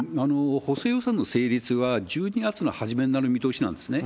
補正予算の成立は１２月の初めになる見通しなんですね。